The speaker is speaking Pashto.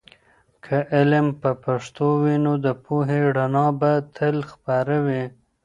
که علم په پښتو وي، نو د پوهې رڼا به تل خپره وي.